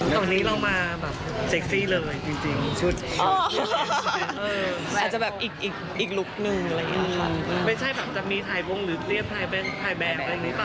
ตอนนี้เรามาแบบเซ็กซี่เลยจริงชุด